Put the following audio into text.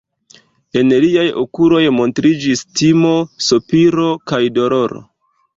En liaj okuloj montriĝis timo, sopiro kaj doloro.